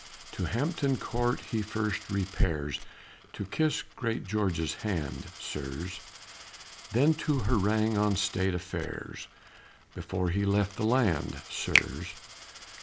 To Hampton Court he first repairs To kiss great George's hand, sirs; Then to harangue on state affairs Before he left the land, sirs.